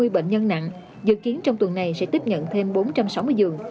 một trăm ba mươi bệnh nhân nặng dự kiến trong tuần này sẽ tiếp nhận thêm bốn trăm sáu mươi dương